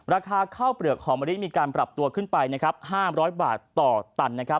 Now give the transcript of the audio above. ราคาข้าวเปลือกของมะลิมีการปรับตัวขึ้นไป๕๐๐บาทต่อตัน